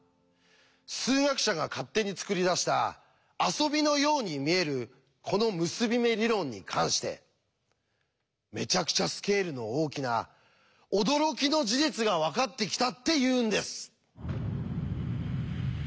数学者が勝手に作り出した遊びのように見えるこの結び目理論に関してめちゃくちゃスケールの大きな驚きの事実が分かってきたっていうんです！